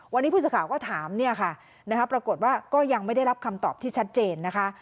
วันนี้ผู้สาขาก็ถามปรากฏว่าก็ยังไม่ได้รับคำตอบที่ชัดเจนนะคะ